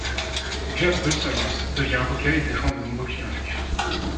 Gerd Bucerius devient avocat et défend de nombreux clients juifs.